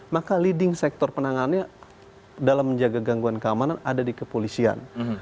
maka leading sektor penanganannya dalam menjaga gangguan keamanan ada di kepolisian